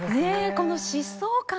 この疾走感